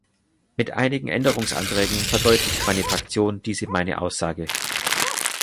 Mit einigen Änderungsanträgen verdeutlicht meine Fraktion diese meine Aussage.